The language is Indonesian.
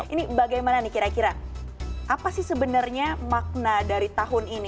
ini bagaimana nih kira kira apa sih sebenarnya makna dari tahun ini